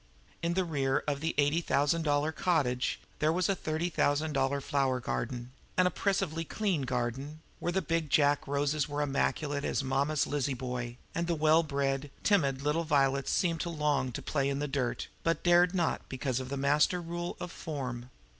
In the rear of the eighty thousand dollar cottage there was a thirty thousand dollar flower garden an oppressively clean garden, where the big Jack roses were as immaculate as a "mama's Lizzie boy," and the well bred, timid little violets seemed to long to play in the dirt, yet dared not because of the master rule of "form."